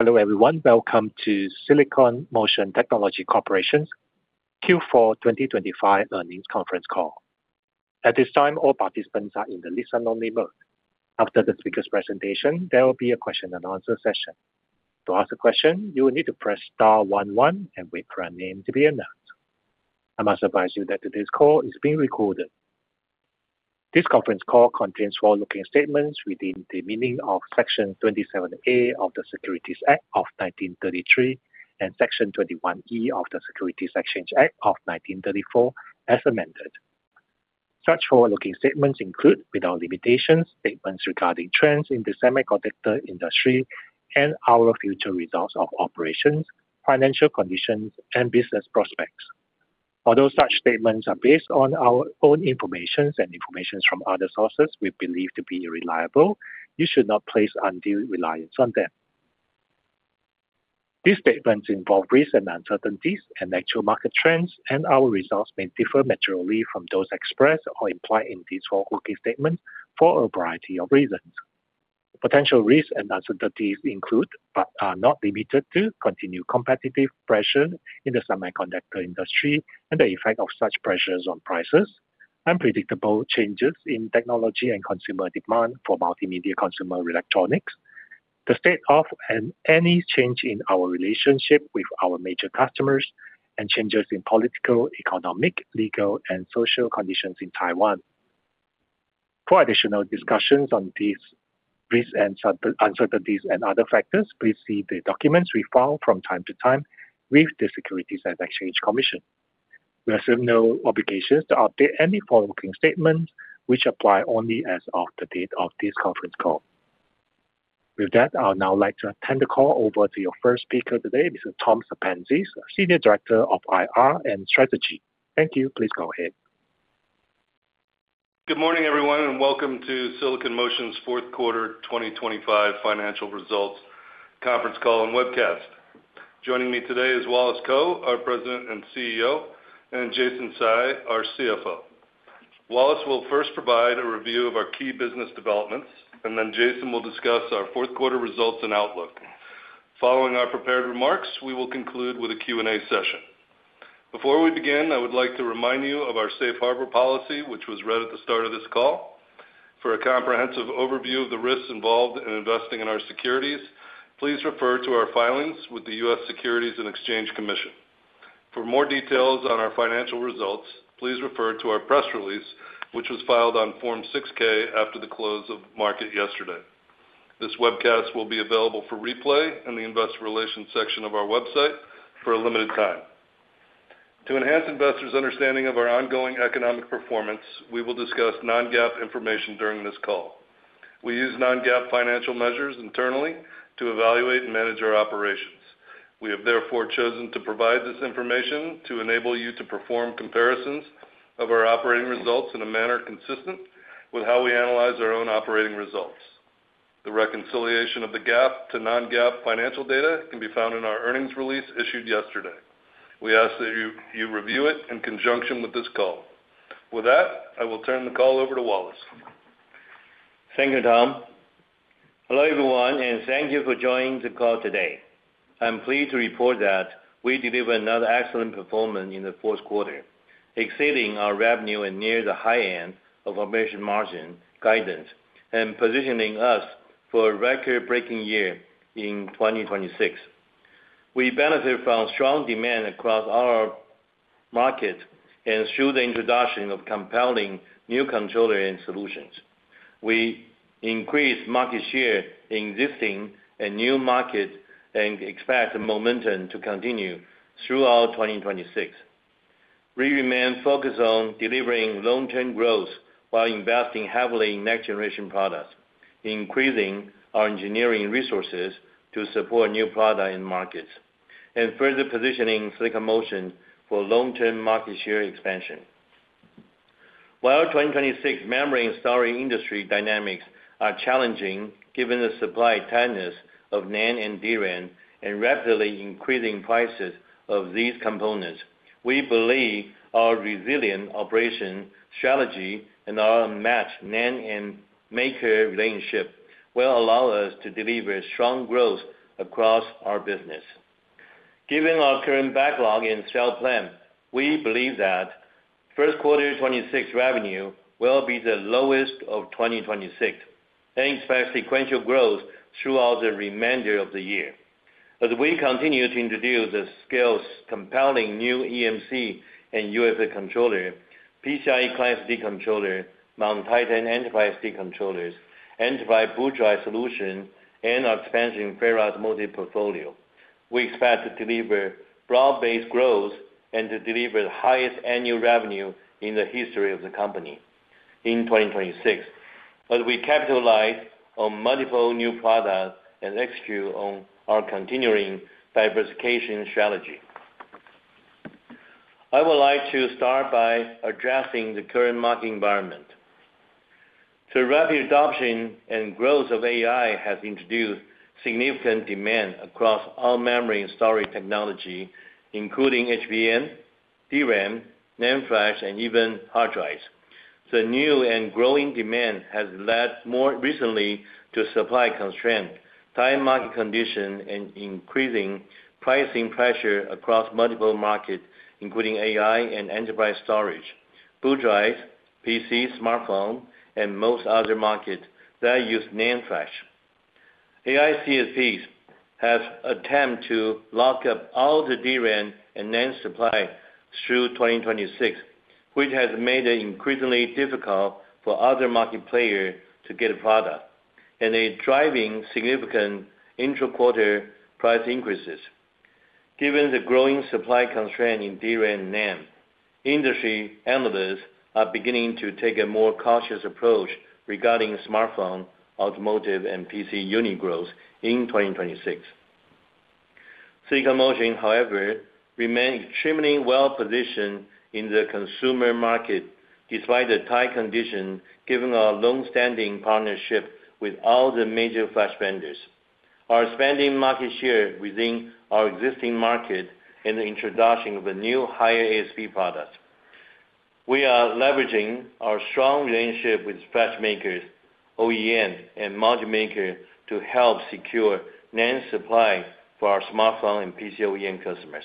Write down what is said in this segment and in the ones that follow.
Hello, everyone. Welcome to Silicon Motion Technology Corporation's Q4 2025 earnings conference call. At this time, all participants are in the listen-only mode. After the speaker's presentation, there will be a question-and-answer session. To ask a question, you will need to press star one one and wait for your name to be announced. I must advise you that today's call is being recorded. This conference call contains forward-looking statements within the meaning of Section 27A of the Securities Act of 1933 and Section 21E of the Securities Exchange Act of 1934, as amended. Such forward-looking statements include, without limitations, statements regarding trends in the semiconductor industry and our future results of operations, financial conditions, and business prospects. Although such statements are based on our own information and information from other sources we believe to be reliable, you should not place undue reliance on them. These statements involve risks and uncertainties, and actual market trends, and our results may differ materially from those expressed or implied in these forward-looking statements for a variety of reasons. Potential risks and uncertainties include, but are not limited to, continued competitive pressure in the semiconductor industry and the effect of such pressures on prices, unpredictable changes in technology and consumer demand for multimedia consumer electronics, the state of, and any change in our relationship with our major customers, and changes in political, economic, legal, and social conditions in Taiwan. For additional discussions on these risks and certain uncertainties and other factors, please see the documents we file from time to time with the Securities and Exchange Commission. We assume no obligations to update any forward-looking statements which apply only as of the date of this conference call. With that, I would now like to turn the call over to your first speaker today, Mr. Tom Sepenzis, Senior Director of IR and Strategy. Thank you. Please go ahead. Good morning, everyone, and welcome to Silicon Motion's fourth quarter 2025 financial results conference call and webcast. Joining me today is Wallace Kou, our President and CEO, and Jason Tsai, our CFO. Wallace will first provide a review of our key business developments, and then Jason will discuss our fourth quarter results and outlook. Following our prepared remarks, we will conclude with a Q&A session. Before we begin, I would like to remind you of our safe harbor policy, which was read at the start of this call. For a comprehensive overview of the risks involved in investing in our securities, please refer to our filings with the U.S. Securities and Exchange Commission. For more details on our financial results, please refer to our press release, which was filed on Form 6-K after the close of market yesterday. This webcast will be available for replay in the investor relations section of our website for a limited time. To enhance investors' understanding of our ongoing economic performance, we will discuss non-GAAP information during this call. We use non-GAAP financial measures internally to evaluate and manage our operations. We have therefore chosen to provide this information to enable you to perform comparisons of our operating results in a manner consistent with how we analyze our own operating results. The reconciliation of the GAAP to non-GAAP financial data can be found in our earnings release issued yesterday. We ask that you review it in conjunction with this call. With that, I will turn the call over to Wallace. Thank you, Tom. Hello, everyone, and thank you for joining the call today. I'm pleased to report that we delivered another excellent performance in the fourth quarter, exceeding our revenue and near the high end of our margin guidance and positioning us for a record-breaking year in 2026. We benefit from strong demand across our market and through the introduction of compelling new controller and solutions. We increased market share in existing and new markets and expect the momentum to continue throughout 2026. We remain focused on delivering long-term growth while investing heavily in next-generation products, increasing our engineering resources to support new product in markets, and further positioning Silicon Motion for long-term market share expansion. While our 2026 memory and storage industry dynamics are challenging, given the supply tightness of NAND and DRAM and rapidly increasing prices of these components, we believe our resilient operation strategy and our matched NAND and maker relationship will allow us to deliver strong growth across our business. Given our current backlog and sales plan, we believe that first quarter 2026 revenue will be the lowest of 2026, and expect sequential growth throughout the remainder of the year. As we continue to introduce these compelling new eMMC and UFS controller, PCIe Gen5 controller, MonTitan enterprise SSD controllers, enterprise boot drive solution, and expansion FerriSSD portfolio, we expect to deliver broad-based growth and to deliver the highest annual revenue in the history of the company in 2026. As we capitalize on multiple new products and execute on our continuing diversification strategy. I would like to start by addressing the current market environment. The rapid adoption and growth of AI has introduced significant demand across all memory and storage technology, including HBM, DRAM, NAND flash, and even hard drives... The new and growing demand has led more recently to supply constraint, tight market condition, and increasing pricing pressure across multiple markets, including AI and enterprise storage, boot drives, PC, smartphone, and most other markets that use NAND flash. AI CSPs have attempted to lock up all the DRAM and NAND supply through 2026, which has made it increasingly difficult for other market players to get product, and they're driving significant intra-quarter price increases. Given the growing supply constraint in DRAM and NAND, industry analysts are beginning to take a more cautious approach regarding smartphone, automotive, and PC unit growth in 2026. Silicon Motion, however, remains extremely well positioned in the consumer market despite the tight conditions, given our long-standing partnership with all the major flash vendors. Our expanding market share within our existing market and the introduction of a new higher ASP product. We are leveraging our strong relationship with flash makers, OEMs, and module makers to help secure NAND supply for our smartphone and PC OEM customers,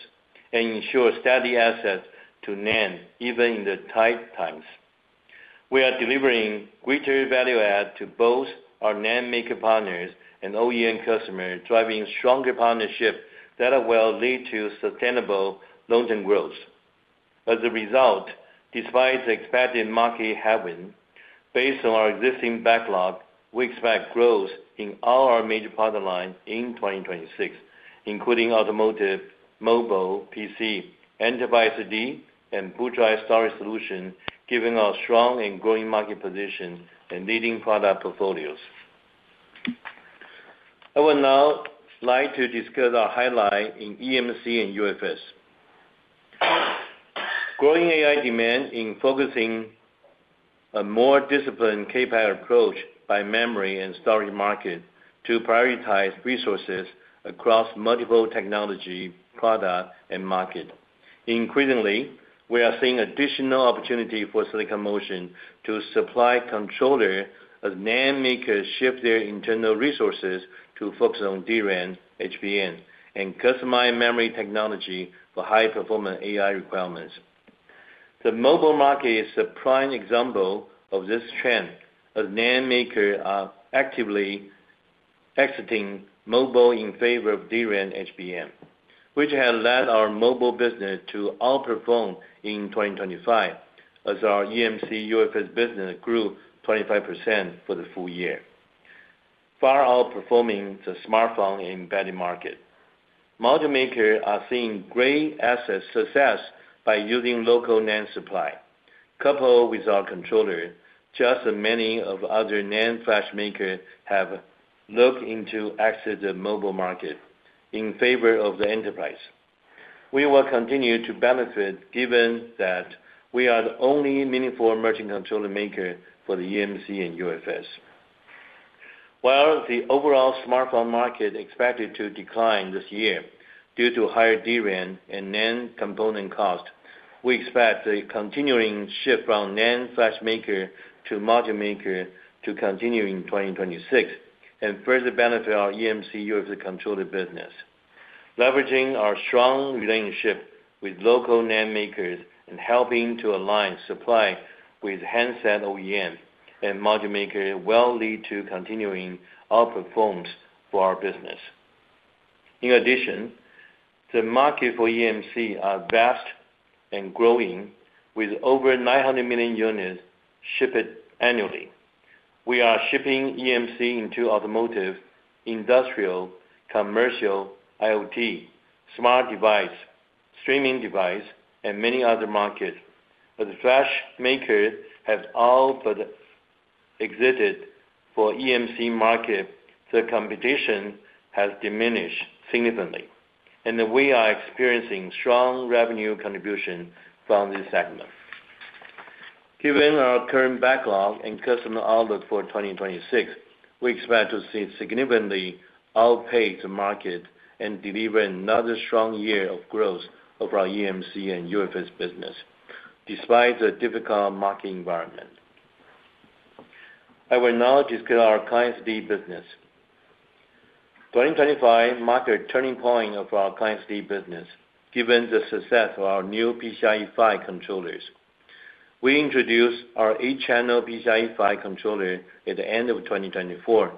and ensure steady access to NAND, even in the tight times. We are delivering greater value add to both our NAND maker partners and OEM customers, driving stronger partnerships that will lead to sustainable long-term growth. As a result, despite the expected market headwinds, based on our existing backlog, we expect growth in all our major product lines in 2026, including automotive, mobile, PC, enterprise SSD, and boot drive storage solutions, giving us strong and growing market position and leading product portfolios. I would now like to discuss our highlight in eMMC and UFS. Growing AI demand in forcing a more disciplined CapEx approach by memory and storage market to prioritize resources across multiple technology, product, and market. Increasingly, we are seeing additional opportunity for Silicon Motion to supply controller as NAND makers shift their internal resources to focus on DRAM, HBM, and customized memory technology for high-performance AI requirements. The mobile market is a prime example of this trend, as NAND makers are actively exiting mobile in favor of DRAM, HBM, which has led our mobile business to outperform in 2025, as our eMMC, UFS business grew 25% for the full year, far outperforming the smartphone and embedded market. Module makers are seeing great success by using local NAND supply. Coupled with our controller, just as many other NAND flash makers have looked to exit the mobile market in favor of the enterprise. We will continue to benefit, given that we are the only meaningful embedded controller maker for the eMMC and UFS. While the overall smartphone market expected to decline this year due to higher DRAM and NAND component cost, we expect a continuing shift from NAND flash makers to module makers to continue in 2026, and further benefit our eMMC, UFS controller business. Leveraging our strong relationship with local NAND makers and helping to align supply with handset OEM and module makers will lead to continuing outperforms for our business. In addition, the market for eMMC is vast and growing, with over 900 million units shipped annually. We are shipping eMMC into automotive, industrial, commercial, IoT, smart device, streaming device, and many other markets. As flash makers have all but exited the eMMC market, the competition has diminished significantly, and we are experiencing strong revenue contribution from this segment. Given our current backlog and customer outlook for 2026, we expect to see significantly outpace the market and deliver another strong year of growth of our eMMC and UFS business, despite the difficult market environment. I will now discuss our client SSD business. 2025 marked a turning point of our client SSD business, given the success of our new PCIe 5 controllers. We introduced our 8-channel PCIe 5 controller at the end of 2024,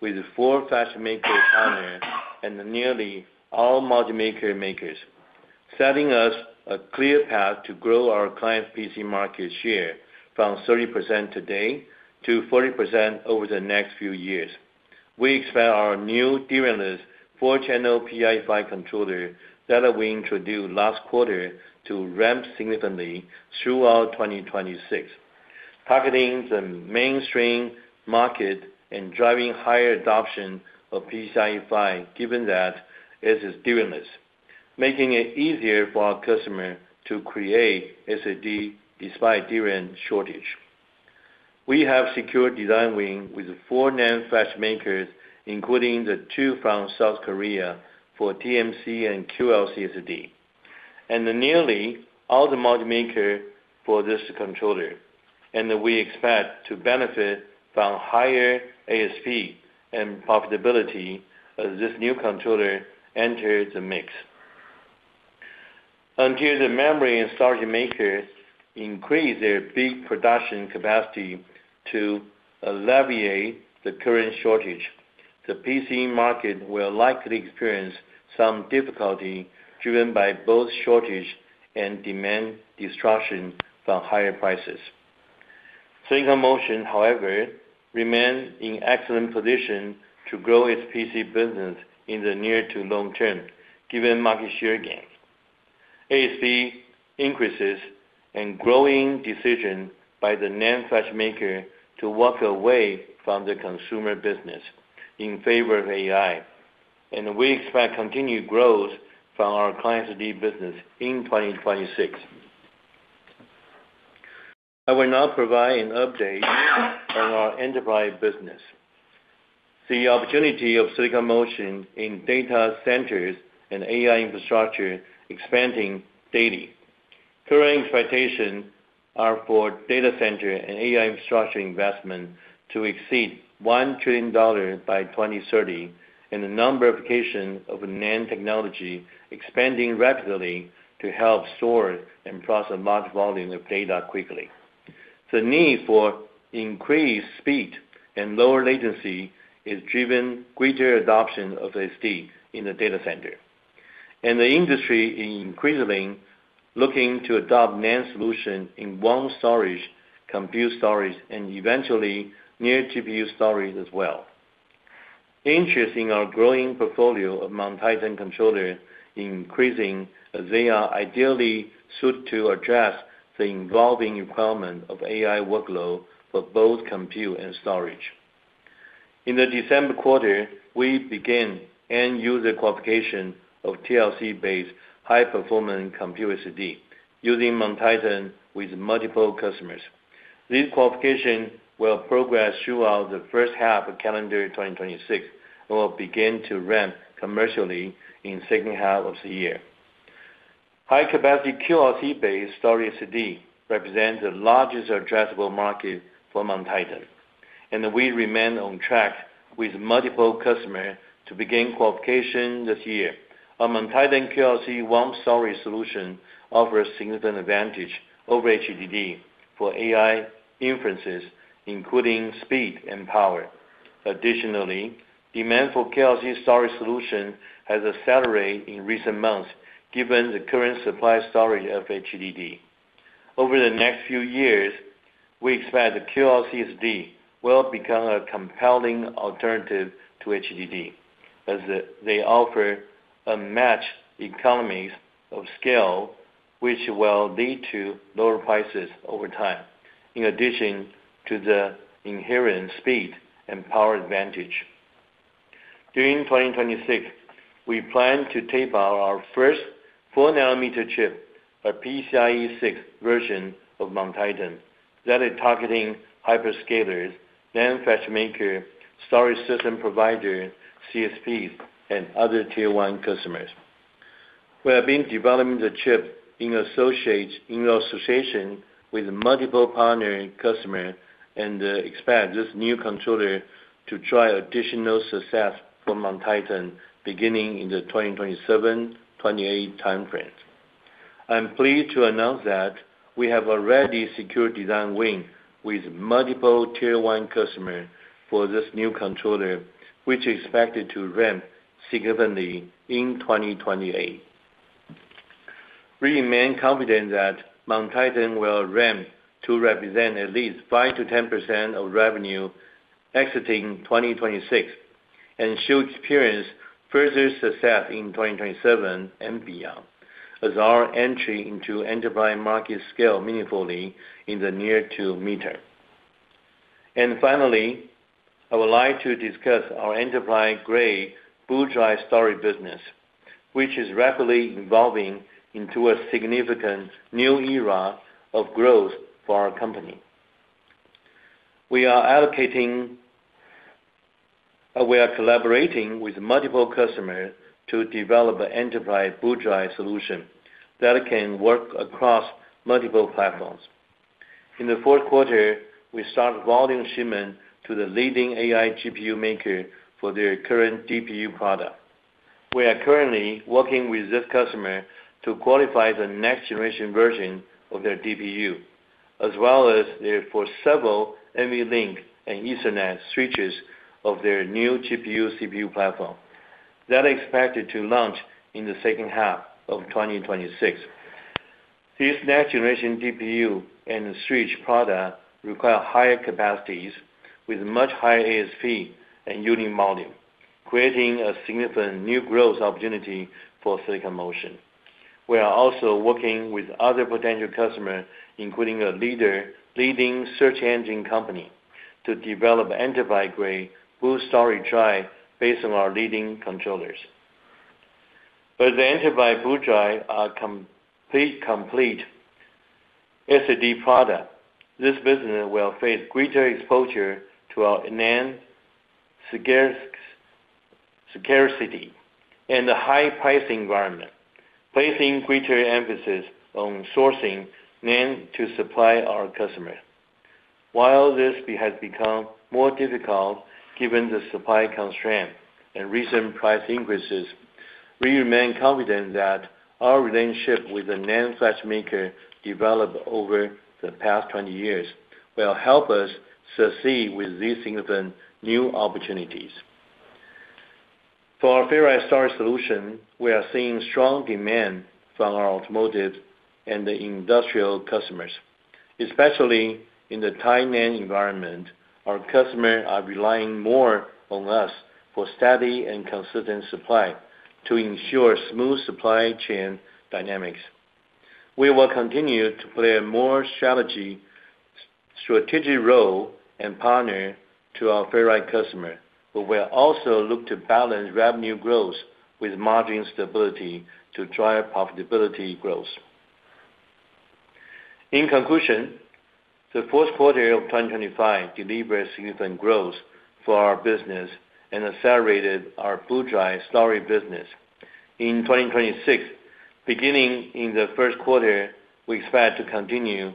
with 4 flash maker partners and nearly all module makers, setting us a clear path to grow our client PC market share from 30% today to 40% over the next few years. We expect our new DRAM-less four-channel PCIe 5 controller that we introduced last quarter to ramp significantly throughout 2026, targeting the mainstream market and driving higher adoption of PCIe 5, given that it is DRAM-less, making it easier for our customer to create SSD despite DRAM shortage. We have secured design win with four NAND flash makers, including the two from South Korea, for YMTC and QLC SSDs... and nearly all the module maker for this controller, and we expect to benefit from higher ASP and profitability as this new controller enters the mix. Until the memory and storage makers increase their big production capacity to alleviate the current shortage, the PC market will likely experience some difficulty driven by both shortage and demand destruction from higher prices. Silicon Motion, however, remains in excellent position to grow its PC business in the near to long term, given market share gains. ASP increases and growing decision by the NAND flash maker to walk away from the consumer business in favor of AI, and we expect continued growth from our client SSD business in 2026. I will now provide an update on our enterprise business. The opportunity of Silicon Motion in data centers and AI infrastructure expanding daily. Current expectations are for data center and AI infrastructure investment to exceed $1 trillion by 2030, and the number of applications of NAND technology expanding rapidly to help store and process large volume of data quickly. The need for increased speed and lower latency has driven greater adoption of SSD in the data center. The industry is increasingly looking to adopt NAND solution in zoned storage, compute storage, and eventually near GPU storage as well. Interest in our growing portfolio of MonTitan controller is increasing, as they are ideally suited to address the evolving requirement of AI workload for both compute and storage. In the December quarter, we began end user qualification of TLC-based high-performance compute SSD, using MonTitan with multiple customers. This qualification will progress throughout the first half of calendar 2026, and will begin to ramp commercially in second half of the year. High-capacity QLC-based storage SSD represents the largest addressable market for MonTitan, and we remain on track with multiple customers to begin qualification this year. Our MonTitan QLC-only storage solution offers significant advantage over HDD for AI inferences, including speed and power. Additionally, demand for QLC storage solution has accelerated in recent months given the current supply shortage of HDD. Over the next few years, we expect the QLC SSD will become a compelling alternative to HDD, as they, they offer unmatched economies of scale, which will lead to lower prices over time, in addition to the inherent speed and power advantage. During 2026, we plan to tape out our first 4 nm chip, a PCIe 6 version of MonTitan, that is targeting hyperscalers, NAND flash maker, storage system provider, CSPs, and other Tier 1 customers. We have been developing the chip in association with multiple partner and customer, and expect this new controller to drive additional success for MonTitan beginning in the 2027-2028 time frame. I'm pleased to announce that we have already secured design win with multiple Tier 1 customer for this new controller, which is expected to ramp significantly in 2028. We remain confident that MonTitan will ramp to represent at least 5%-10% of revenue exiting 2026, and should experience further success in 2027 and beyond, as our entry into enterprise market scale meaningfully in the near to mid-term. Finally, I would like to discuss our enterprise-grade boot drive storage business, which is rapidly evolving into a significant new era of growth for our company. We are collaborating with multiple customers to develop an enterprise boot drive solution that can work across multiple platforms. In the fourth quarter, we started volume shipment to the leading AI GPU maker for their current DPU product. We are currently working with this customer to qualify the next generation version of their DPU, as well as therefore several NVLink and Ethernet switches of their new GPU-CPU platform. That expected to launch in the second half of 2026. This next generation DPU and switch product require higher capacities with much higher ASP and unit volume, creating a significant new growth opportunity for Silicon Motion. We are also working with other potential customers, including a leading search engine company, to develop enterprise-grade boot storage drive based on our leading controllers. But the enterprise boot drive are complete SSD product. This business will face greater exposure to our NAND scarcity and the high pricing environment, placing greater emphasis on sourcing NAND to supply our customers. While this has become more difficult, given the supply constraint and recent price increases, we remain confident that our relationship with the NAND flash maker developed over the past 20 years will help us succeed with these significant new opportunities. For our Ferri storage solution, we are seeing strong demand from our automotive and the industrial customers. Especially in the tight NAND environment, our customers are relying more on us for steady and consistent supply to ensure smooth supply chain dynamics. We will continue to play a more strategic role and partner to our Ferri customer, but we'll also look to balance revenue growth with margin stability to drive profitability growth. In conclusion, the fourth quarter of 2025 delivers significant growth for our business and accelerated our boot drive storage business. In 2026, beginning in the first quarter, we expect to continue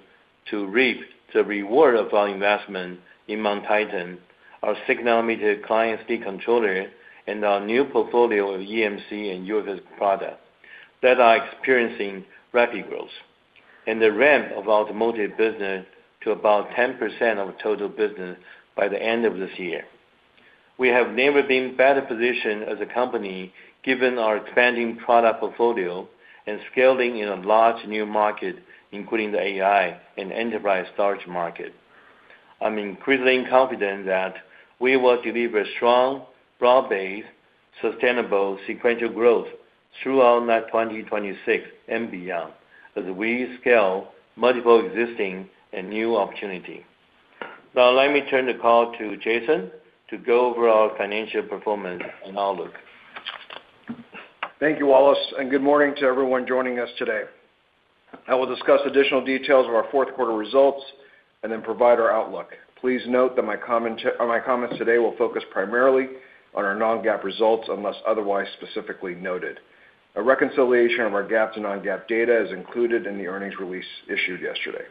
to reap the reward of our investment in MonTitan, our 6-nanometer client SSD controller, and our new portfolio of eMMC and UFS products that are experiencing rapid growth, and the ramp of automotive business to about 10% of total business by the end of this year. We have never been better positioned as a company, given our expanding product portfolio and scaling in a large new market, including the AI and enterprise storage market. I'm increasingly confident that we will deliver strong, broad-based, sustainable sequential growth throughout that 2026 and beyond, as we scale multiple existing and new opportunity. Now, let me turn the call to Jason to go over our financial performance and outlook. Thank you, Wallace, and good morning to everyone joining us today. I will discuss additional details of our fourth quarter results and then provide our outlook. Please note that my comment, my comments today will focus primarily on our non-GAAP results, unless otherwise specifically noted. A reconciliation of our GAAP to non-GAAP data is included in the earnings release issued yesterday.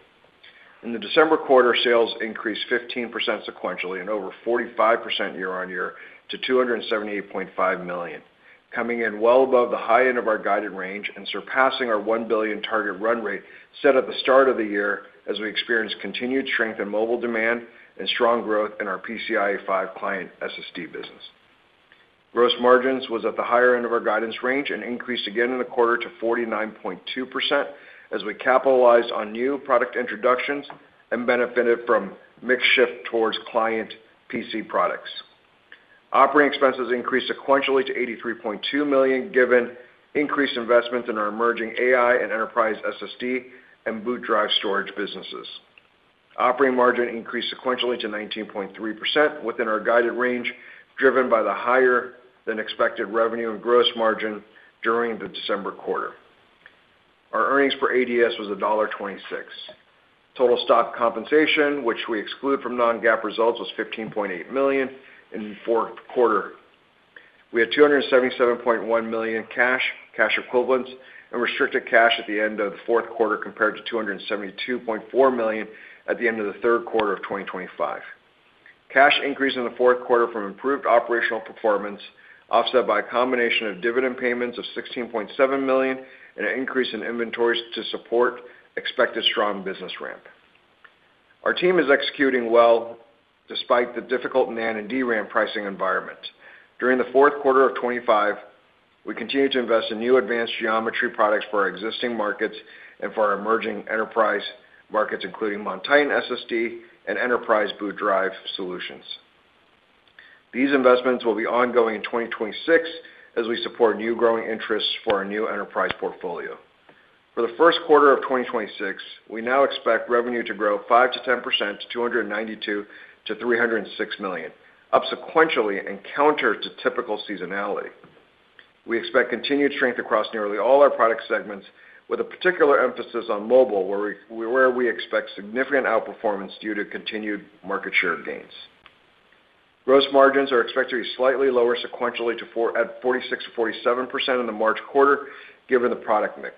In the December quarter, sales increased 15% sequentially and over 45% year-on-year to $278.5 million, coming in well above the high end of our guided range and surpassing our $1 billion target run rate set at the start of the year, as we experienced continued strength in mobile demand and strong growth in our PCIe 5 client SSD business. Gross margins was at the higher end of our guidance range and increased again in the quarter to 49.2%, as we capitalized on new product introductions and benefited from mix shift towards client PC products. Operating expenses increased sequentially to $83.2 million, given increased investments in our emerging AI and enterprise SSD and boot drive storage businesses. Operating margin increased sequentially to 19.3% within our guided range, driven by the higher-than-expected revenue and gross margin during the December quarter. Our earnings per ADS was $1.26. Total stock compensation, which we exclude from non-GAAP results, was $15.8 million in the fourth quarter. We had $277.1 million cash, cash equivalents, and restricted cash at the end of the fourth quarter, compared to $272.4 million at the end of the third quarter of 2025. Cash increase in the fourth quarter from improved operational performance, offset by a combination of dividend payments of $16.7 million and an increase in inventories to support expected strong business ramp. Our team is executing well despite the difficult NAND and DRAM pricing environment. During the fourth quarter of 2025, we continued to invest in new advanced geometry products for our existing markets and for our emerging enterprise markets, including MonTitan SSD and enterprise boot drive solutions. These investments will be ongoing in 2026 as we support new growing interests for our new enterprise portfolio. For the first quarter of 2026, we now expect revenue to grow 5%-10% to $292 million-$306 million, up sequentially and counter to typical seasonality. We expect continued strength across nearly all our product segments, with a particular emphasis on mobile, where we expect significant outperformance due to continued market share gains. Gross margins are expected to be slightly lower sequentially at 46%-47% in the March quarter, given the product mix.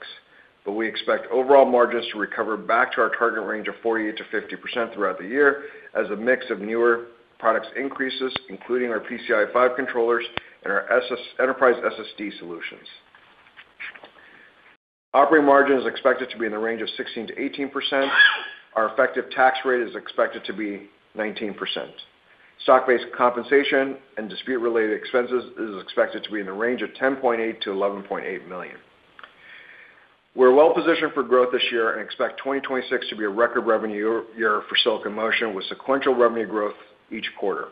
But we expect overall margins to recover back to our target range of 48%-50% throughout the year, as a mix of newer products increases, including our PCIe 5 controllers and our SSD enterprise SSD solutions. Operating margin is expected to be in the range of 16%-18%. Our effective tax rate is expected to be 19%. Stock-based compensation and dispute-related expenses is expected to be in the range of $10.8 million-$11.8 million. We're well positioned for growth this year and expect 2026 to be a record revenue year for Silicon Motion, with sequential revenue growth each quarter.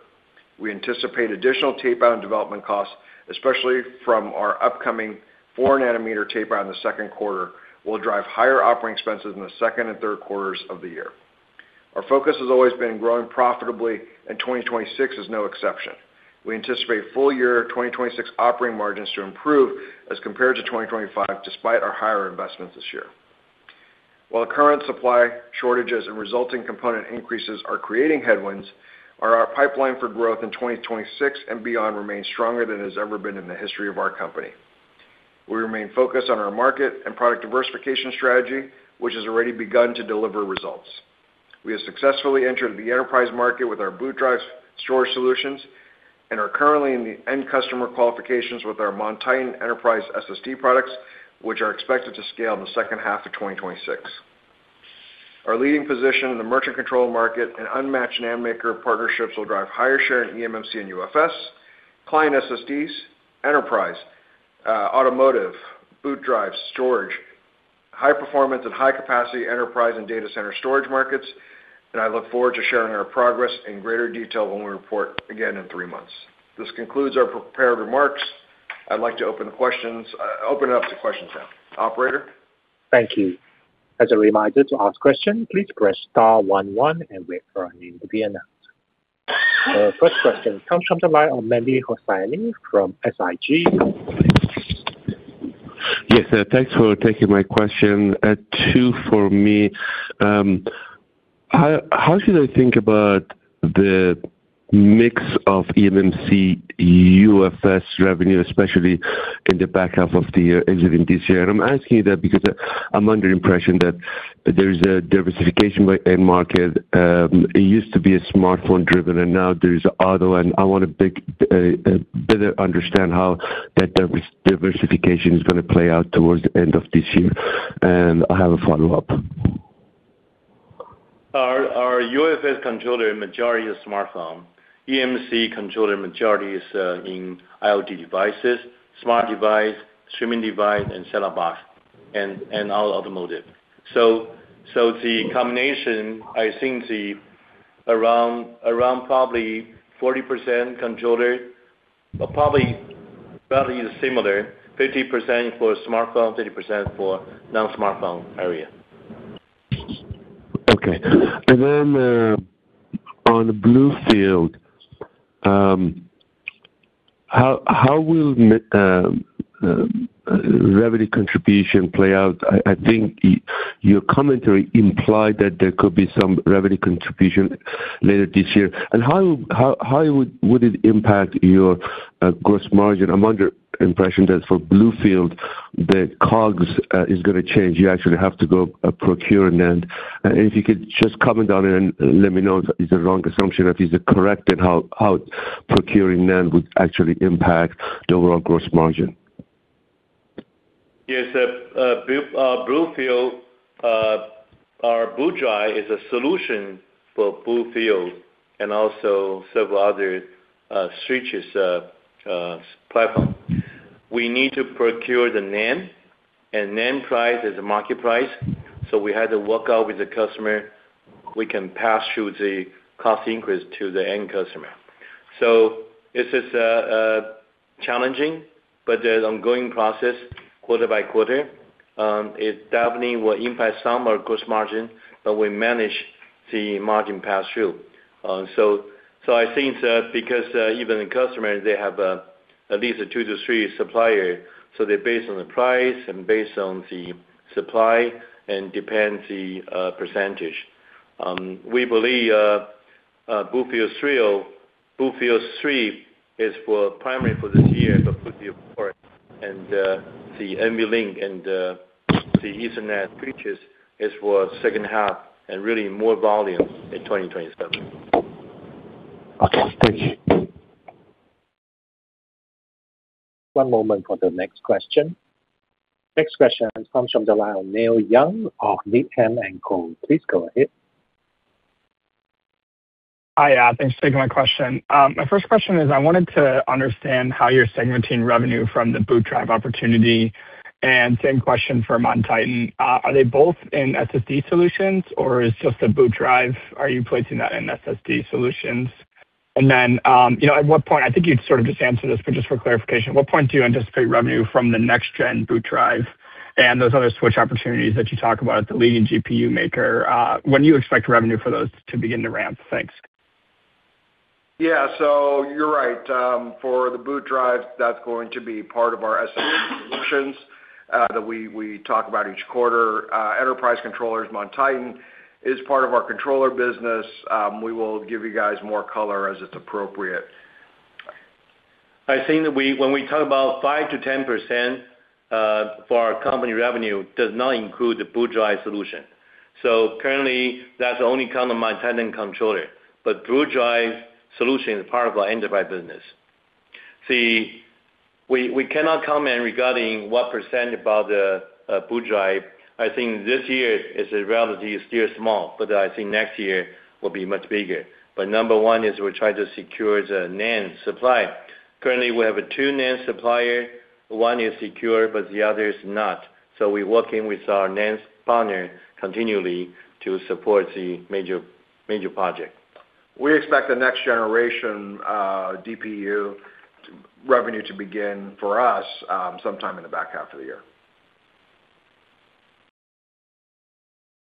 We anticipate additional tape out and development costs, especially from our upcoming 4-nm tape out in the second quarter, will drive higher operating expenses in the second and third quarters of the year. Our focus has always been growing profitably, and 2026 is no exception. We anticipate full year 2026 operating margins to improve as compared to 2025, despite our higher investments this year. While the current supply shortages and resulting component increases are creating headwinds, our pipeline for growth in 2026 and beyond remains stronger than it's ever been in the history of our company. We remain focused on our market and product diversification strategy, which has already begun to deliver results. We have successfully entered the enterprise market with our boot drive storage solutions, and are currently in the end customer qualifications with our MonTitan Enterprise SSD products, which are expected to scale in the second half of 2026. Our leading position in the merchant controller market and unmatched NAND maker partnerships will drive higher share in eMMC and UFS, client SSDs, enterprise, automotive, boot drive storage, high performance and high capacity enterprise and data center storage markets. I look forward to sharing our progress in greater detail when we report again in three months. This concludes our prepared remarks. I'd like to open it up to questions now. Operator? Thank you. As a reminder, to ask question, please press star one, one, and wait for your name to be announced. First question comes from the line of Mehdi Hosseini from SIG. Yes, sir. Thanks for taking my question. Two for me. How should I think about the mix of eMMC, UFS revenue, especially in the back half of the year, ending this year? And I'm asking you that because I'm under the impression that there is a diversification by end market. It used to be a smartphone driven, and now there's auto, and I want to better understand how that diversification is going to play out towards the end of this year. And I have a follow-up. Our UFS controller, majority is smartphone. eMMC controller, majority is in IoT devices, smart device, streaming device, and set-top box and our automotive. So the combination, I think around probably 40% controller, but probably is similar, 50% for smartphone, 30% for non-smartphone area. Okay. And then, on BlueField, how will revenue contribution play out? I think your commentary implied that there could be some revenue contribution later this year. And how would it impact your gross margin? I'm under impression that for BlueField, the COGS is going to change. You actually have to go procure NAND. And if you could just comment on it and let me know if it's a wrong assumption, or if it's correct, and how procuring NAND would actually impact the overall gross margin. Yes, BlueField, our boot drive is a solution for BlueField and also several other switches, platform. We need to procure the NAND, and NAND price is the market price, so we had to work out with the customer. We can pass through the cost increase to the end customer. So this is challenging, but there's ongoing process quarter by quarter. It definitely will impact some of our gross margin, but we manage the margin pass through. So, I think that because even the customers, they have at least a two to three supplier, so they're based on the price and based on the supply and depends the percentage. We believe BlueField-3, BlueField 3 is for primary for this year, but BlueField-4 and the NVLink and the Ethernet features is for second half and really more volume in 2027. Okay, thank you. One moment for the next question. Next question comes from the line of Neil Young of Needham & Company. Please go ahead. Hi, thanks for taking my question. My first question is, I wanted to understand how you're segmenting revenue from the boot drive opportunity, and same question for MonTitan. Are they both in SSD solutions, or is just the boot drive? Are you placing that in SSD solutions? And then, you know, at what point, I think you'd sort of just answered this, but just for clarification, what point do you anticipate revenue from the next-gen boot drive and those other switch opportunities that you talk about, the leading GPU maker, when do you expect revenue for those to begin to ramp? Thanks. Yeah. So you're right. For the boot drive, that's going to be part of our SSD solutions, that we talk about each quarter. Enterprise controllers, MonTitan, is part of our controller business. We will give you guys more color as it's appropriate. I think that we when we talk about 5%-10% for our company revenue, does not include the boot drive solution. So currently, that's only count MonTitan controller, but boot drive solution is part of our enterprise business. We, we cannot comment regarding what percent about the boot drive. I think this year is relatively still small, but I think next year will be much bigger. But number one is we're trying to secure the NAND supply. Currently, we have two NAND suppliers. One is secure, but the other is not. So we're working with our NAND partner continually to support the major, major project. We expect the next generation DPU revenue to begin for us sometime in the back half of the year.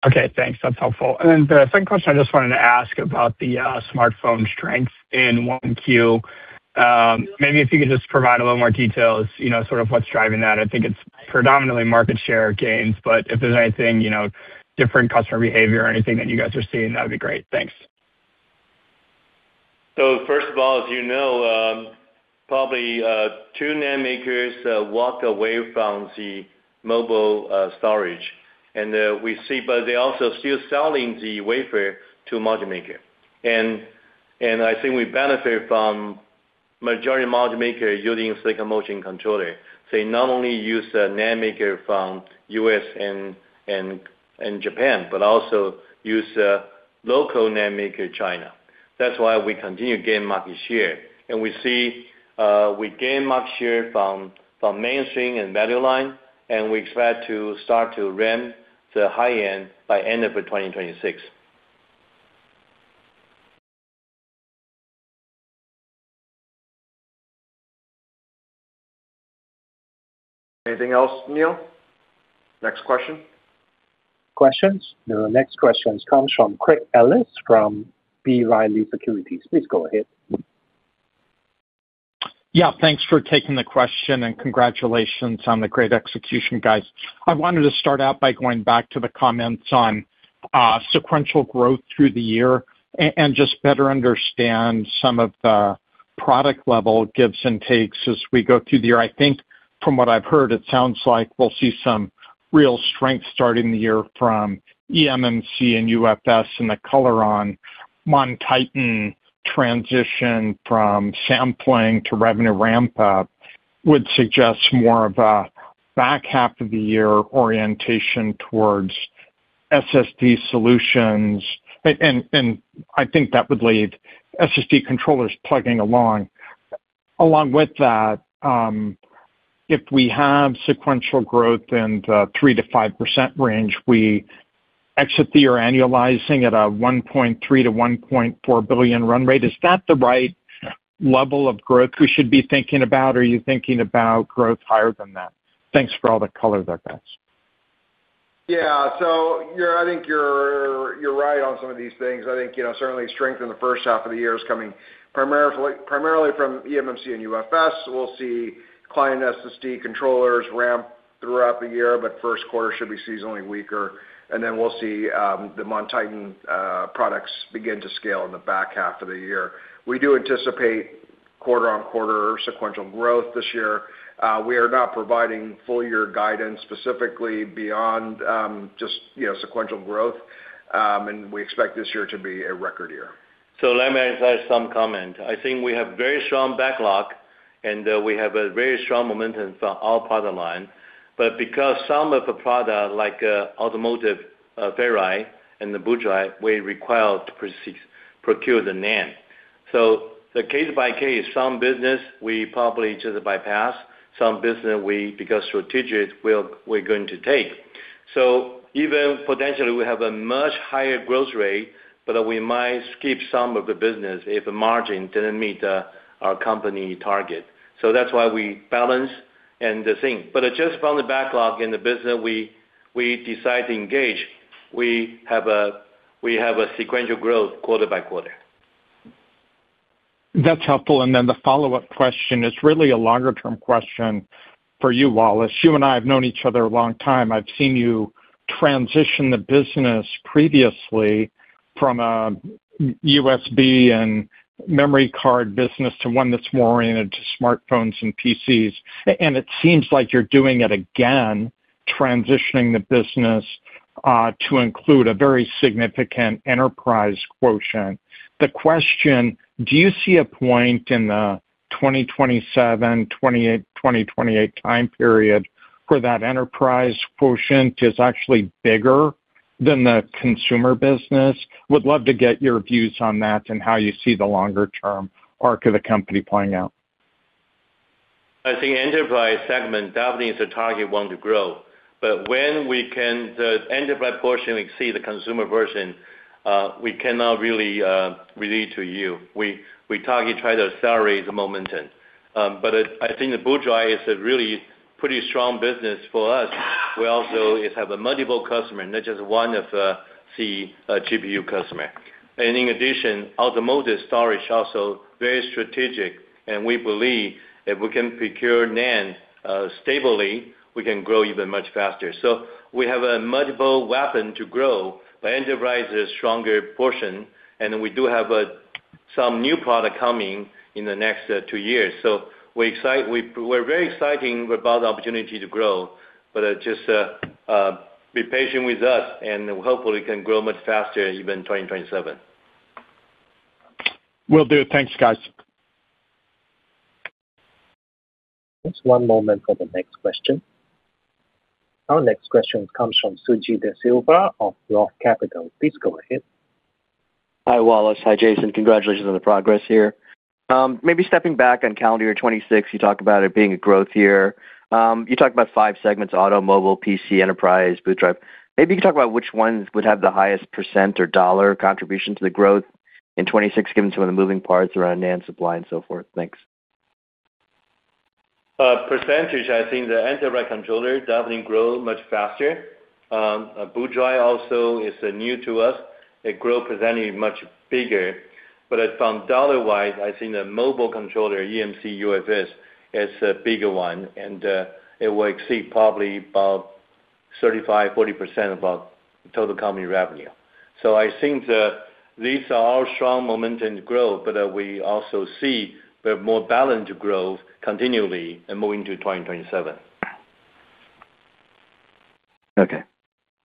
Okay, thanks. That's helpful. And then the second question, I just wanted to ask about the smartphone strength in 1Q. Maybe if you could just provide a little more details, you know, sort of what's driving that. I think it's predominantly market share gains, but if there's anything, you know, different customer behavior or anything that you guys are seeing, that would be great. Thanks. So first of all, as you know, probably, two NAND makers walked away from the mobile storage, and we see, but they're also still selling the wafer to module maker. And, and I think we benefit from majority module maker using Silicon Motion controller. They not only use the NAND maker from U.S. and, and, and Japan, but also use local NAND maker, China. That's why we continue to gain market share. And we see, we gain market share from, from mainstream and value line, and we expect to start to ramp the high end by end of 2026. Anything else, Neil? Next question. Questions. The next question comes from Craig Ellis from B. Riley Securities. Please go ahead. Yeah, thanks for taking the question, and congratulations on the great execution, guys. I wanted to start out by going back to the comments on sequential growth through the year and just better understand some of the product level gives and takes as we go through the year. I think from what I've heard, it sounds like we'll see some real strength starting the year from eMMC and UFS and the color on MonTitan transition from sampling to revenue ramp up would suggest more of a back half of the year orientation towards SSD solutions. And I think that would leave SSD controllers plugging along. Along with that, if we have sequential growth in the 3%-5% range, we exit the year annualizing at a $1.3 billion-$1.4 billion run rate. Is that the right level of growth we should be thinking about, or are you thinking about growth higher than that? Thanks for all the color there, guys. Yeah. So I think you're right on some of these things. I think, you know, certainly strength in the first half of the year is coming primarily from eMMC and UFS. We'll see client SSD controllers ramp throughout the year, but first quarter should be seasonally weaker. And then we'll see the MonTitan products begin to scale in the back half of the year. We do anticipate quarter-on-quarter sequential growth this year. We are not providing full year guidance, specifically beyond just, you know, sequential growth, and we expect this year to be a record year. So let me add some comment. I think we have very strong backlog and we have a very strong momentum for our product line. But because some of the product, like, automotive, Ferri and the boot drive, we require to procure the NAND. So the case by case, some business we probably just bypass, some business we, because strategic, we're going to take. So even potentially we have a much higher growth rate, but we might skip some of the business if the margin didn't meet our company target. So that's why we balance and the thing. But just from the backlog in the business, we decide to engage, we have a sequential growth quarter by quarter. That's helpful. And then the follow-up question is really a longer term question for you, Wallace. You and I have known each other a long time. I've seen you transition the business previously from a USB and memory card business to one that's more oriented to smartphones and PCs. And it seems like you're doing it again, transitioning the business to include a very significant enterprise quotient. The question, do you see a point in the 2027-2028 time period, where that enterprise quotient is actually bigger than the consumer business? Would love to get your views on that and how you see the longer term arc of the company playing out. I think enterprise segment definitely is a target we want to grow. But when we can, the enterprise portion exceed the consumer version, we cannot really relate to you. We target try to accelerate the momentum. But I think the boot drive is a really pretty strong business for us. We also have a multiple customer, not just one of the GPU customer. And in addition, automotive storage is also very strategic, and we believe if we can procure NAND stably, we can grow even much faster. So we have a multiple weapon to grow, but enterprise is a stronger portion, and we do have some new product coming in the next two years. So we're very excited about the opportunity to grow, but be patient with us and hopefully can grow much faster, even in 2027. Will do. Thanks, guys. Just one moment for the next question. Our next question comes from Suji Desilva of Roth Capital. Please go ahead. Hi, Wallace. Hi, Jason. Congratulations on the progress here. Maybe stepping back on calendar 2026, you talked about it being a growth year. You talked about five segments, auto, mobile, PC, enterprise, boot drive. Maybe you can talk about which ones would have the highest % or dollar contribution to the growth in 2026, given some of the moving parts around NAND supply and so forth. Thanks. Percentage, I think the enterprise controller definitely grow much faster. BlueField also is new to us. The growth presenting much bigger. But from dollar-wise, I think the mobile controller, eMMC UFS, is a bigger one, and it will exceed probably about 35%-40% of our total company revenue. So I think that these are all strong momentum growth, but we also see the more balanced growth continually and moving to 2027. Okay.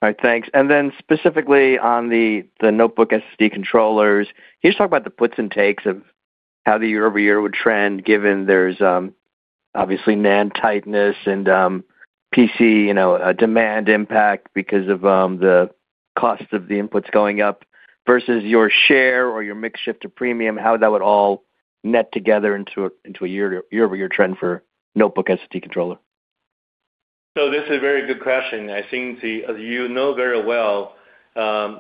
All right, thanks. And then specifically on the notebook SSD controllers, can you just talk about the puts and takes of how the year-over-year would trend, given there's obviously NAND tightness and PC, you know, demand impact because of the cost of the inputs going up versus your share or your mix shift to premium, how that would all net together into a year-over-year trend for notebook SSD controller? So this is a very good question. I think the, as you know very well, DRAM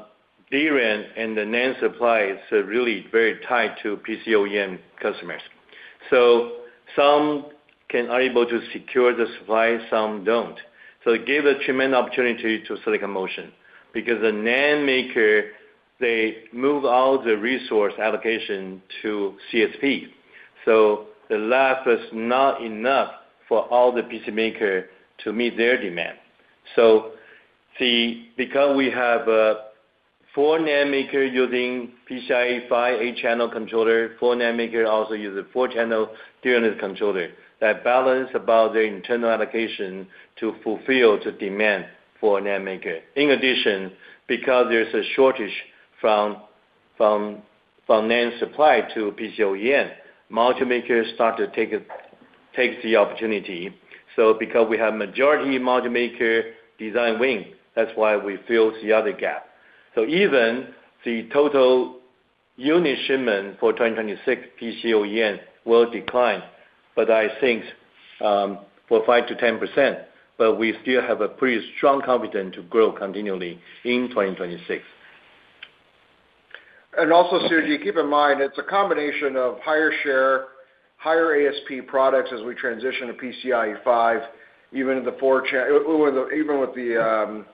and the NAND supply is really very tied to PC OEM customers. So some can unable to secure the supply, some don't. So it gave a tremendous opportunity to Silicon Motion, because the NAND maker, they move all the resource allocation to CSP. So the last was not enough for all the PC maker to meet their demand. So the, because we have, four NAND maker using PCIe Gen5 eight-channel controller, four NAND maker also use a four-channel DRAM controller, that balance about the internal allocation to fulfill the demand for a NAND maker. In addition, because there's a shortage from NAND supply to PC OEM, module makers start to take it, take the opportunity. Because we have majority module maker design win, that's why we fill the other gap. So even the total unit shipment for 2026 PC OEM will decline, but I think for 5%-10%, but we still have a pretty strong confidence to grow continually in 2026. And also, Suji, keep in mind, it's a combination of higher share, higher ASP products as we transition to PCIe 5.0, even in the 4-channel, even with the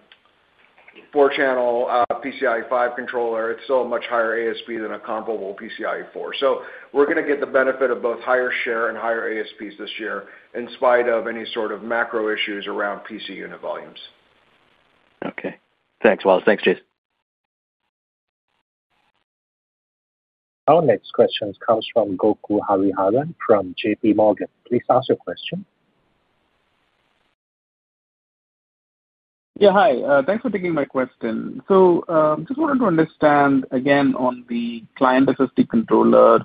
4-channel PCIe 5.0 controller, it's still a much higher ASP than a comparable PCIe 4.O. So we're gonna get the benefit of both higher share and higher ASPs this year, in spite of any sort of macro issues around PC unit volumes. Okay. Thanks, Wallace. Thanks, Jason. Our next question comes from Gokul Hariharan from J.P. Morgan. Please ask your question. Yeah, hi. Thanks for taking my question. So, just wanted to understand, again, on the client SSD controller,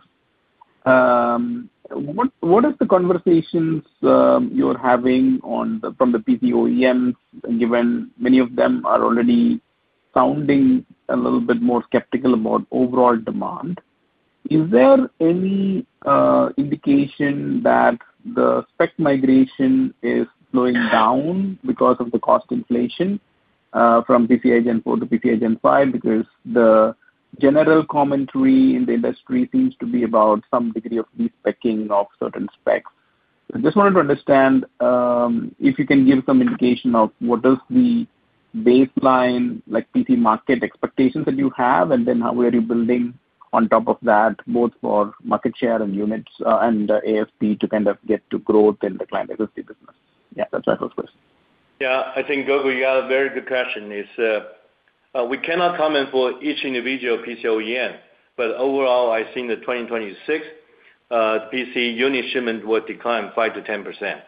what, what is the conversations, you're having on the, from the PC OEMs, given many of them are already sounding a little bit more skeptical about overall demand? Is there any indication that the spec migration is slowing down because of the cost inflation, from PCIe Gen4-PCIe Gen5? Because the general commentary in the industry seems to be about some degree of despeccing of certain specs. I just wanted to understand, if you can give some indication of what is the baseline, like, PC market expectations that you have, and then how are you building on top of that, both for market share and units, and ASP to kind of get to growth in the client SSD business? Yeah, that's my first question. Yeah, I think, Gokul, you have a very good question. It's, we cannot comment for each individual PC OEM, but overall, I think that 2026, PC unit shipment will decline 5%-10%,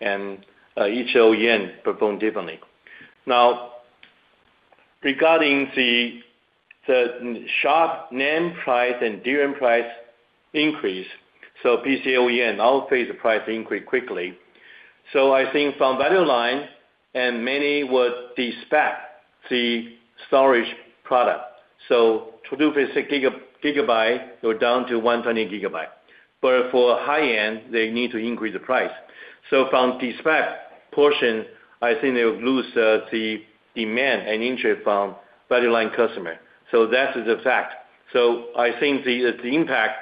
and, each OEM perform differently. Now, regarding the, the sharp NAND price and DRAM price increase, so PC OEM now face the price increase quickly. So I think from value line, and many would de-spec the storage product. So to do with 6 GB, go down to 120 GB. But for high-end, they need to increase the price. So from de-spec portion, I think they would lose, the demand and interest from value line customer. So that is a fact. So I think the, the impact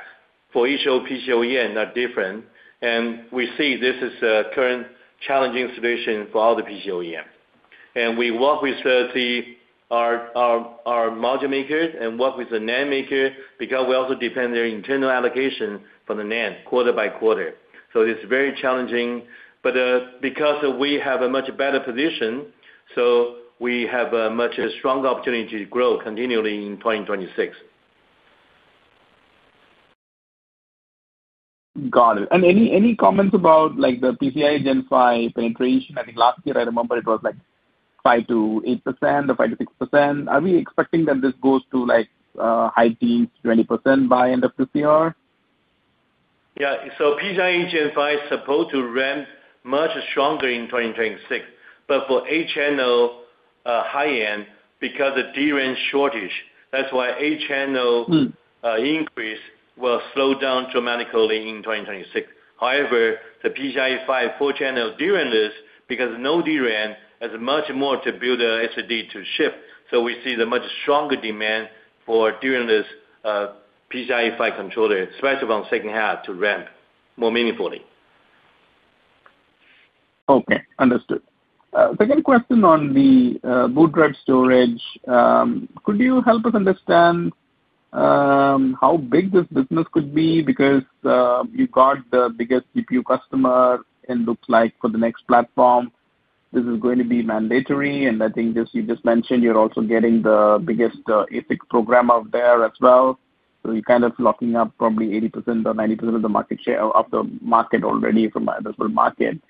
for each PC OEM are different, and we see this as a current challenging situation for all the PC OEM. And we work with our module makers and work with the NAND maker, because we also depend their internal allocation for the NAND quarter by quarter. So it's very challenging, but because we have a much better position, so we have a much stronger opportunity to grow continually in 2026. Got it. Any comments about, like, the PCIe Gen5 penetration? I think last year I remember it was, like, 5%-8% or 5%-6%. Are we expecting that this goes to, like, high teens, 20% by end of 2024? Yeah. So PCIe Gen5 is supposed to ramp much stronger in 2026, but for eight-channel, high-end, because of DRAM shortage, that's why eight-channel- Mm. Increase will slow down dramatically in 2026. However, the PCIe 5, four-channel DRAM-less, because no DRAM, has much more to build a SSD to ship. So we see the much stronger demand for during this, PCIe 5 controller, especially on second half to ramp more meaningfully. Okay, understood. Second question on the boot drive storage. Could you help us understand how big this business could be? Because you got the biggest CPU customer and looks like for the next platform, this is going to be mandatory. And I think this, you just mentioned, you're also getting the biggest EPYC program out there as well. So you're kind of locking up probably 80% or 90% of the market share, of the market already from the overall market.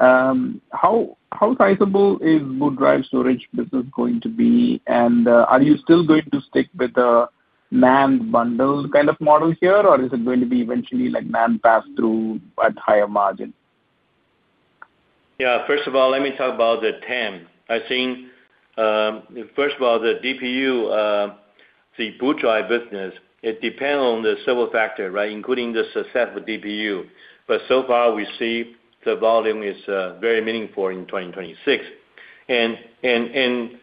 How sizable is boot drive storage business going to be? And are you still going to stick with the NAND bundle kind of model here, or is it going to be eventually, like, NAND pass through at higher margin? Yeah, first of all, let me talk about the TAM. I think, first of all, the DPU, the boot drive business, it depend on the several factor, right, including the success of DPU. But so far, we see the volume is very meaningful in 2026. And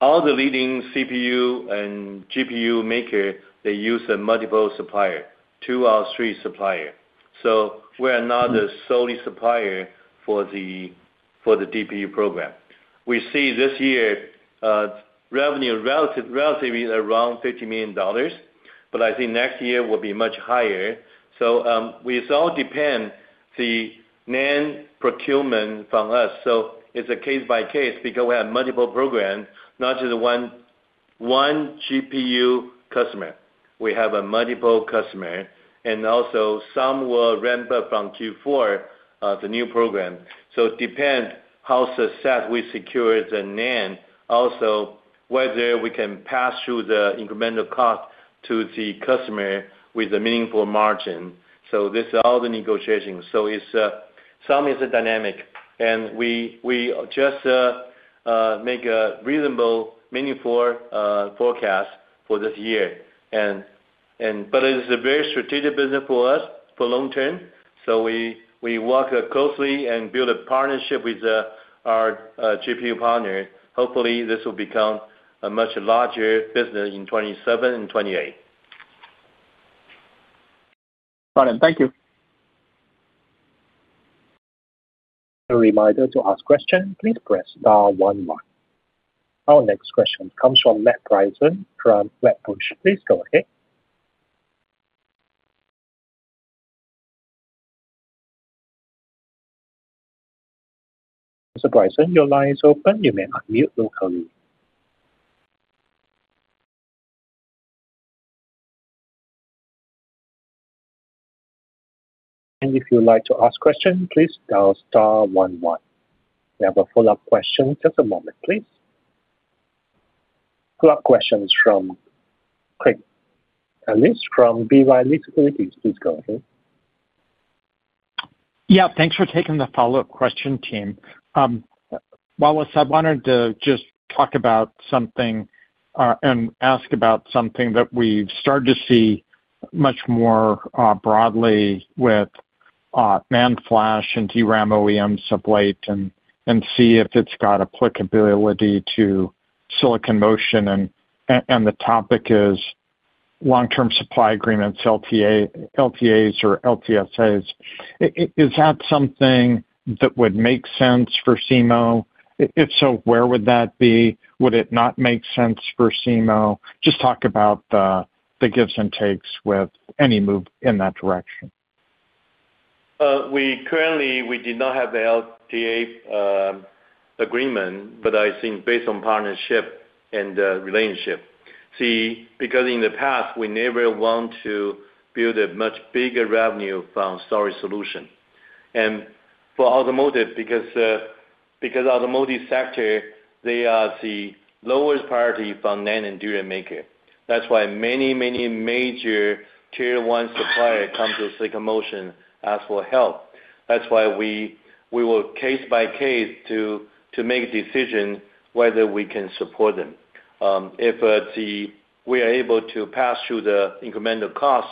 all the leading CPU and GPU maker, they use a multiple supplier, 2 or 3 supplier. So we're not the solely supplier for the, for the DPU program. We see this year, revenue relatively around $50 million, but I think next year will be much higher. So, we saw depend the NAND procurement from us. So it's a case by case, because we have multiple programs, not just one, one GPU customer. We have a multiple customer, and also some will ramp up from Q4, the new program. So it depends how successful we secure the NAND, also whether we can pass through the incremental cost to the customer with a meaningful margin. So this is all the negotiations. So it's somewhat dynamic, and we just make a reasonable, meaningful forecast for this year. But it is a very strategic business for us for long term, so we work closely and build a partnership with our GPU partner. Hopefully, this will become a much larger business in 2027 and 2028. Got it. Thank you. A reminder to ask question, please press star one one. Our next question comes from Matt Bryson from Wedbush Securities. Please go ahead. Mr. Bryson, your line is open. You may unmute locally. And if you would like to ask question, please dial star 1 1. We have a follow-up question. Just a moment, please. Follow-up question is from Craig Ellis from B. Riley Securities. Please go ahead. Yeah, thanks for taking the follow-up question, team. Wallace, I wanted to just talk about something and ask about something that we've started to see much more broadly with NAND flash and DRAM OEM supply, and the topic is long-term supply agreements, LTAs or LTSAs. Is that something that would make sense for SIMO? If so, where would that be? Would it not make sense for SIMO? Just talk about the gives and takes with any move in that direction. We currently did not have the LTA agreement, but I think based on partnership and relationship. See, because in the past, we never want to build a much bigger revenue from storage solution. And for automotive, because automotive sector, they are the lowest priority from NAND and DRAM maker. That's why many, many major Tier 1 supplier come to Silicon Motion, ask for help. That's why we work case by case to make decision whether we can support them. If we are able to pass through the incremental cost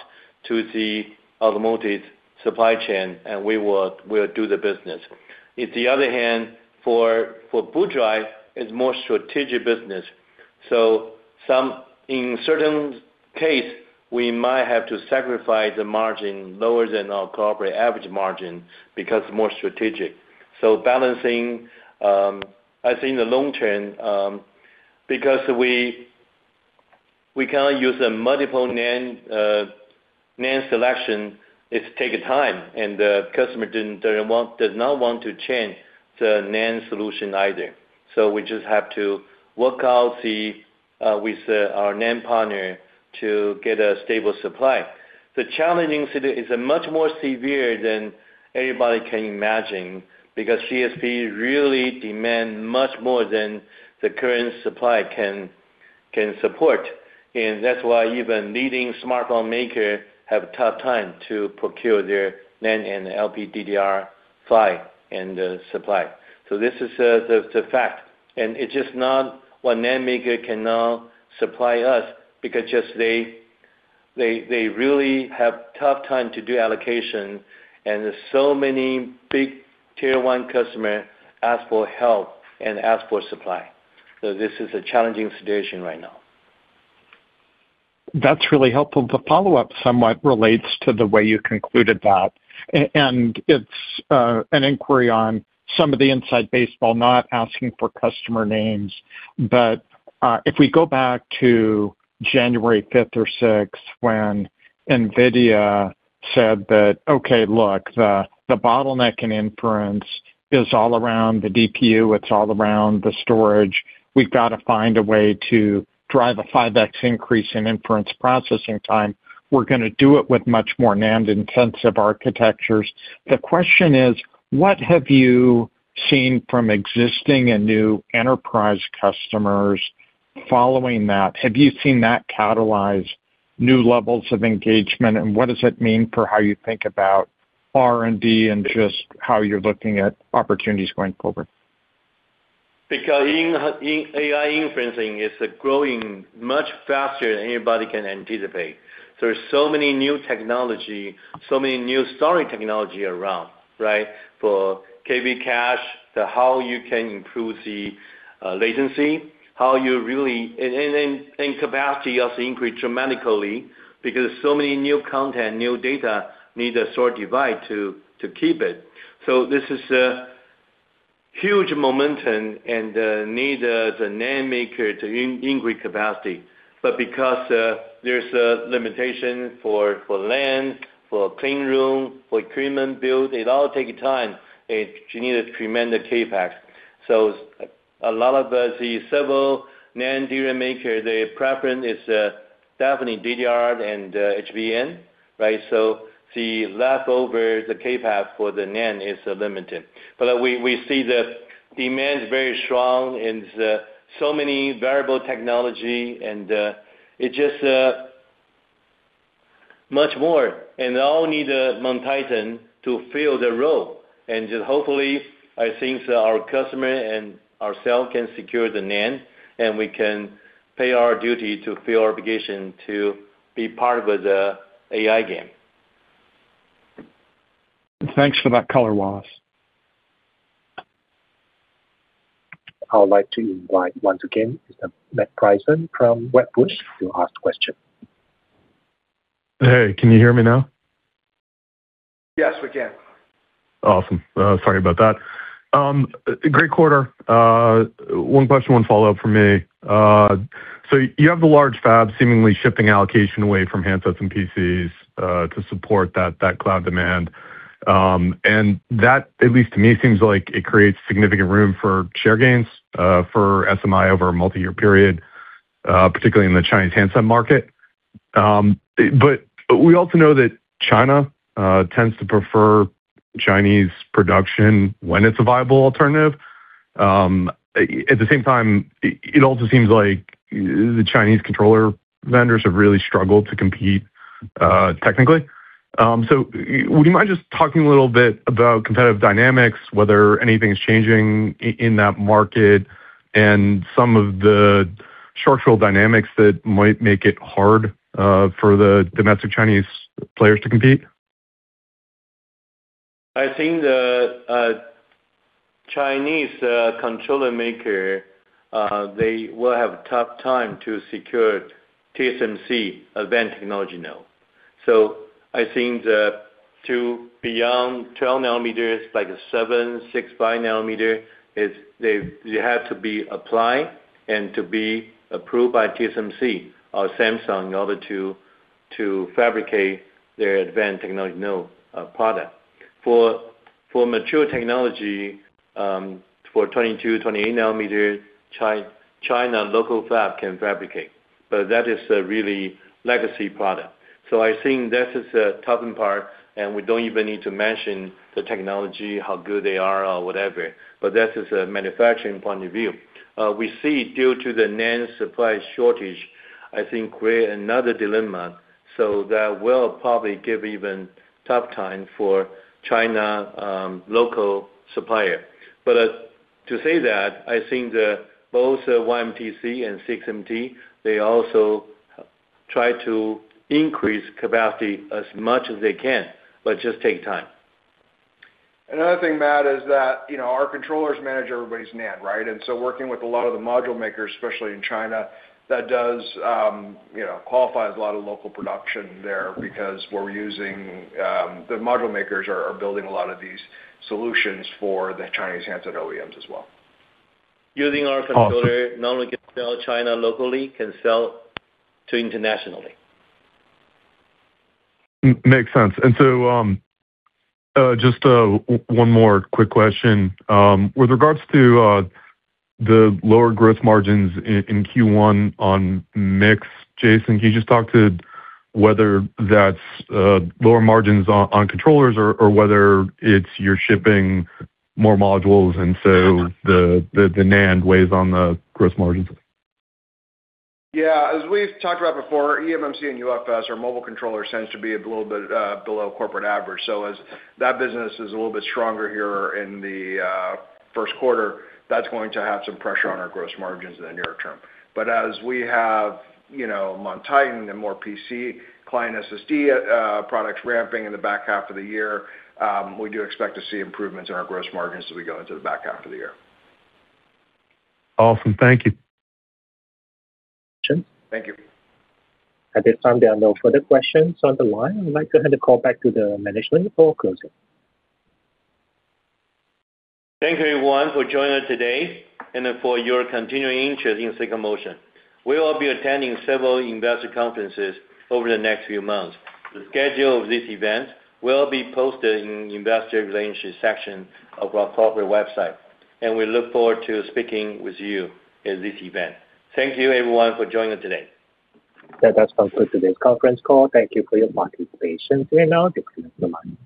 to the automotive supply chain, and we'll do the business. On the other hand, for boot drive, it's more strategic business. So some, in certain case, we might have to sacrifice the margin lower than our corporate average margin, because more strategic. So balancing, I think in the long term, because we cannot use a multiple NAND NAND selection, it take a time, and the customer didn't, doesn't want—does not want to change the NAND solution either. So we just have to work out the with our NAND partner to get a stable supply. The challenging situation is much more severe than anybody can imagine, because CSP really demand much more than the current supply can support. And that's why even leading smartphone maker have a tough time to procure their NAND and LPDDR5 and supply. So this is the fact, and it's just not what NAND maker cannot supply us, because just they... They really have tough time to do allocation, and there's so many big Tier 1 customer ask for help and ask for supply. This is a challenging situation right now. That's really helpful. The follow-up somewhat relates to the way you concluded that, and it's an inquiry on some of the inside baseball, not asking for customer names. But, if we go back to January fifth or sixth, when NVIDIA said that, "Okay, look, the bottleneck in inference is all around the DPU, it's all around the storage. We've got to find a way to drive a 5x increase in inference processing time. We're gonna do it with much more NAND-intensive architectures." The question is: what have you seen from existing and new enterprise customers following that? Have you seen that catalyze new levels of engagement, and what does it mean for how you think about R&D and just how you're looking at opportunities going forward? Because in AI, inferencing is growing much faster than anybody can anticipate. There are so many new technology, so many new storage technology around, right? For KV Cache, to how you can improve the latency, how you really... And capacity also increase dramatically because so many new content, new data need a storage device to keep it. So this is a huge momentum and need as a NAND maker to increase capacity. But because there's a limitation for land, for clean room, for equipment build, it all take time, and you need a tremendous CapEx. So a lot of the several NAND DRAM maker, their preference is definitely DDR and HBM, right? So the leftover, the CapEx for the NAND, is limited. But we see the demand is very strong and so many variable technology, and it just much more, and all need MonTitan to fill the role. And just hopefully, I think that our customer and ourselves can secure the NAND, and we can play our duty to fill our obligation to be part of the AI game. Thanks for that color, Wallace. I would like to invite once again, Matt Bryson from Wedbush, to ask the question. Hey, can you hear me now? Yes, we can. Awesome. Sorry about that. Great quarter. One question, one follow-up for me. So you have the large fabs seemingly shifting allocation away from handsets and PCs, to support that cloud demand. And that, at least to me, seems like it creates significant room for share gains, for SMI over a multi-year period, particularly in the Chinese handset market. But we also know that China tends to prefer Chinese production when it's a viable alternative. At the same time, it also seems like the Chinese controller vendors have really struggled to compete, technically. So would you mind just talking a little bit about competitive dynamics, whether anything is changing in that market, and some of the structural dynamics that might make it hard, for the domestic Chinese players to compete? I think the Chinese controller maker, they will have a tough time to secure TSMC advanced technology now. I think that to go beyond 12 nm, like 7 nm, 6 nm, you have to be applied and to be approved by TSMC or Samsung in order to fabricate their advanced technology product. For mature technology, for 22 nm, 28 nm, China local fab can fabricate, but that is a really legacy product. I think this is a tougher part, and we don't even need to mention the technology, how good they are or whatever, but that is a manufacturing point of view. We see, due to the NAND supply shortage, I think, create another dilemma, so that will probably give even tough time for China local supplier. But, to say that, I think that both YMTC and CXMT, they also try to increase capacity as much as they can, but just take time. Another thing, Matt, is that, you know, our controllers manage everybody's NAND, right? And so working with a lot of the module makers, especially in China, that does, you know, qualify as a lot of local production there because we're using... The module makers are building a lot of these solutions for the Chinese handset OEMs as well. Using our controller, not only can sell China locally, can sell to internationally. Makes sense. And so, just one more quick question. With regards to the lower gross margins in Q1 on mix, Jason, can you just talk to whether that's lower margins on controllers or whether it's you're shipping more modules and so the NAND weighs on the gross margins? Yeah. As we've talked about before, eMMC and UFS, our mobile controller tends to be a little bit below corporate average. So as that business is a little bit stronger here in the first quarter, that's going to have some pressure on our gross margins in the near term. But as we have, you know, MonTitan and more PC client SSD products ramping in the back half of the year, we do expect to see improvements in our gross margins as we go into the back half of the year. Awesome. Thank you. Thank you. At this time, there are no further questions on the line. I'd like to hand the call back to the management for closing. Thank you everyone for joining us today and for your continuing interest in Silicon Motion. We will be attending several investor conferences over the next few months. The schedule of this event will be posted in the Investor Relations section of our corporate website, and we look forward to speaking with you at this event. Thank you everyone for joining us today. That does conclude today's conference call. Thank you for your participation. You may now disconnect the line.